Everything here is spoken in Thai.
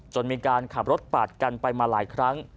มีการขับรถปาดกันไปมาหลายครั้ง